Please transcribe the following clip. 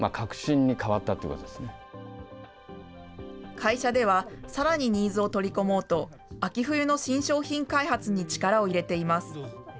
会社では、さらにニーズを取り込もうと、秋冬の新商品開発に力を入れています。